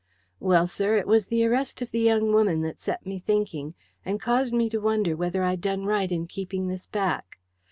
"Well, sir, it was the arrest of the young woman that set me thinking, and caused me to wonder whether I'd done right in keeping this back.